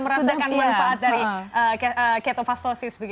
merasakan manfaat dari ketofastosis